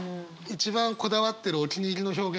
一番こだわってるお気に入りの表現とかあれば。